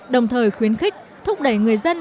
đồng thời khuyến khích thúc đẩy người dân